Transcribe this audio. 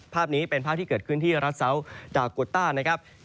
ภาพนี้เป็นภาพที่เกิดขึ้นที่รัฐเซาดาโกต้านะครับ